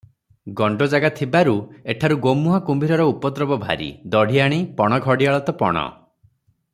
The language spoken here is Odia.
ଗଣ୍ତଜାଗା ଥିବାରୁ ଏଠାରୁ ଗୋମୁଁହା କୁମ୍ଭୀରର ଉପଦ୍ରବ ଭାରି, ଦଢ଼ିଆଣି, ପଣ ଘଡ଼ିଆଳ ତ ପଣ ।